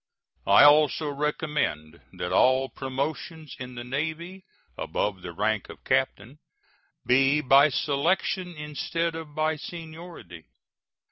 I also recommend that all promotions in the Navy above the rank of captain be by selection instead of by seniority.